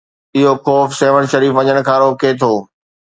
اهو خوف سيوهڻ شريف وڃڻ کان روڪي ٿو.